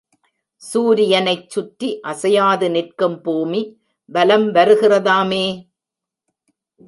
சூரியனைச் சுற்றி அசையாது நிற்கும் பூமி, வலம் வருகிறதாமே!